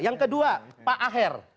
yang kedua pak aher